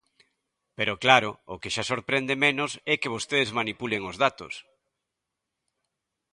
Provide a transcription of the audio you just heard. Pero, claro, o que xa sorprende menos é que vostedes manipulen os datos.